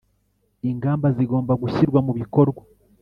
ingamba zigomba gushyirwa mu bikorwa